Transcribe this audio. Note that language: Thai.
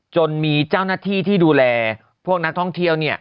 จนมีเจ้าหน้าที่ที่ดูแลพวกนักท่องเที่ยว